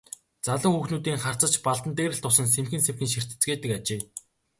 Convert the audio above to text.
Залуу хүүхнүүдийн харц ч Балдан дээр л тусан сэмхэн сэмхэн ширтэцгээдэг ажээ.